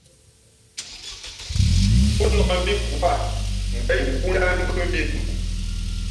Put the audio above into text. Pō nāk mvi ko ǎ, ngα̌ ingóó ná ngʉ mvī ndoo.